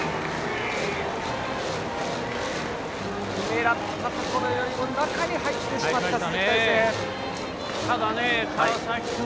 狙ったところより中に入ってしまった鈴木泰成。